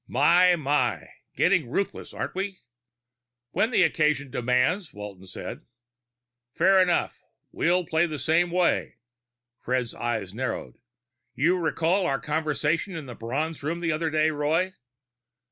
"My, my! Getting ruthless, aren't we!" "When the occasion demands," Walton said. "Fair enough. We'll play the same way." Fred's eyes narrowed. "You recall our conversation in the Bronze Room the other day, Roy?"